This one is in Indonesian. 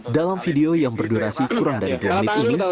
dalam video yang berdurasi kurang dari dua menit ini